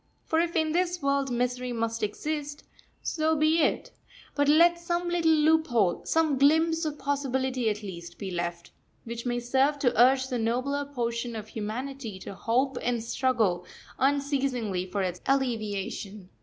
For if in this world misery must exist, so be it; but let some little loophole, some glimpse of possibility at least, be left, which may serve to urge the nobler portion of humanity to hope and struggle unceasingly for its alleviation.